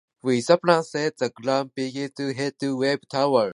With the plan set, the group begins to head to the wave tower.